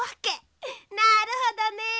なるほどね。